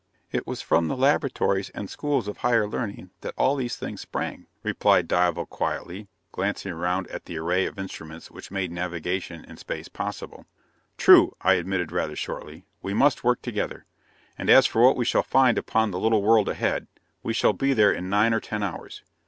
"It was from the laboratories and the schools of higher learning that all these things sprang," replied Dival quietly, glancing around at the array of instruments which made navigation in space possible. "True," I admitted rather shortly. "We must work together. And as for what we shall find upon the little world ahead, we shall be there in nine or ten hours.